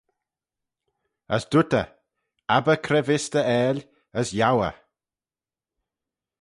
As dooyrt eh, Abbyr cre vees dty aill, as yiow eh.